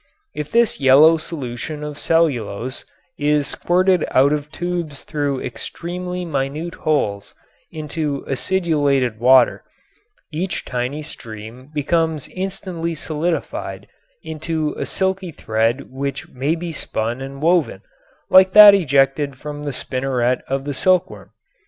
If this yellow solution of cellulose is squirted out of tubes through extremely minute holes into acidulated water, each tiny stream becomes instantly solidified into a silky thread which may be spun and woven like that ejected from the spinneret of the silkworm.